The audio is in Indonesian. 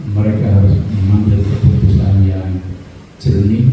mereka harus memang jadi keputusan yang jernih